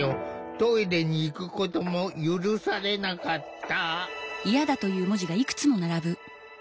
トイレに行くことも許されなかった。